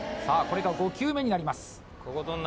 これが５球目になります